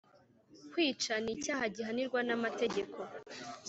kwica nicyaha gihanirwa namategeko